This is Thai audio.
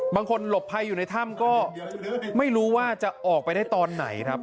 หลบภัยอยู่ในถ้ำก็ไม่รู้ว่าจะออกไปได้ตอนไหนครับ